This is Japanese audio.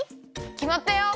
きまったよ！